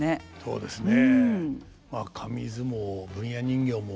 そうですね。